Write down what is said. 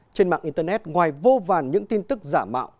trên mạng internet ngoài vô vàn những tin tức giả mạo